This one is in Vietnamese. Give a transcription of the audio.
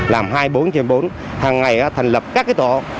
làm hai mươi bốn trên hai mươi bốn hằng ngày thành lập các cái tổ